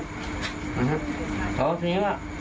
แล้วทีนี้ว่า